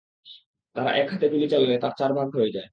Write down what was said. তার এক হাতে গুলি চালালে তার চার ভাগ হয়ে যায়।